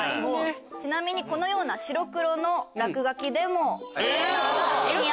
ちなみにこのような白黒の落書きでも。